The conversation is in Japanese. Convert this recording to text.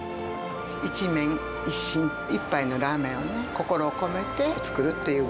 一麺一心、一杯のラーメンをね、心を込めて作るという。